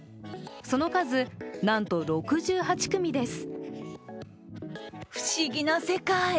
その数、なんと６８組です。